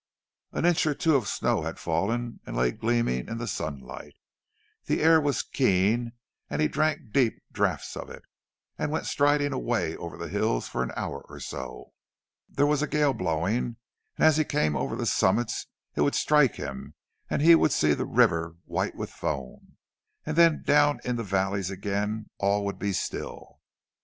An inch or two of snow had fallen, and lay gleaming in the sunlight. The air was keen, and he drank deep draughts of it, and went striding away over the hills for an hour or so. There was a gale blowing, and as he came over the summits it would strike him, and he would see the river white with foam. And then down in the valleys again all would be still.